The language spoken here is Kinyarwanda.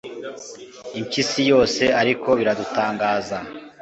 Rum impyisi yose ariko biradutangaza